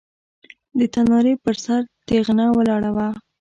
د تنارې پر سر تېغنه ولاړه وه.